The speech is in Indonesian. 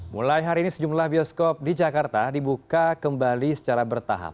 mulai hari ini sejumlah bioskop di jakarta dibuka kembali secara bertahap